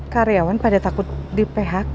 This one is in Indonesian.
karyawan pada takut di phk